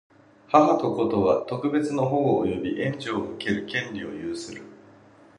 母と子とは、特別の保護及び援助を受ける権利を有する。